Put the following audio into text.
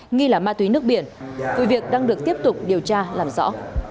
nghi là ma túy nước biển vụ việc đang được tiếp tục điều tra làm rõ